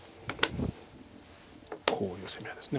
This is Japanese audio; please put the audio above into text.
こういう攻め合いです。